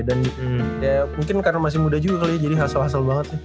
dan ya mungkin karena masih muda juga kali ya jadi hasil hasil banget ya